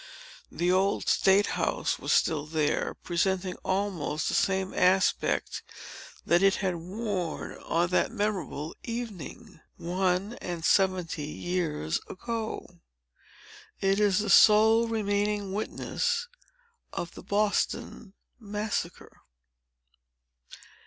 The Old State House was still there, presenting almost the same aspect that it had worn on that memorable evening, one and seventy years ago. It is the sole remaining witness of the Boston Massacre.